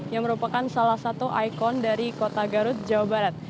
yang merupakan salah satu ikon dari kota garut jawa barat